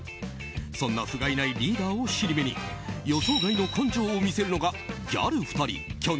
そんなふがいないリーダーを尻目に予想外の根性を見せるのがギャル２人、きょん